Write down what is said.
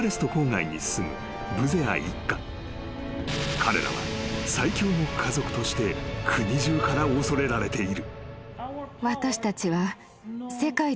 ［彼らは最恐の家族として国中から恐れられている］